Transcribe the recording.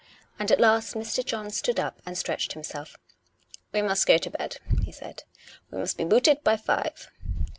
And at last Mr. John stood up and stretched himself. " We must go to bed," he said. " We must be booted by five."